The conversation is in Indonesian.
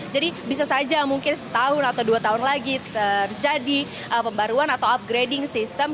jadi bisa saja mungkin setahun atau dua tahun lagi terjadi pembaruan atau upgrading sistem